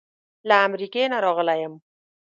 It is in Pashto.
له امریکې نه راغلی یم.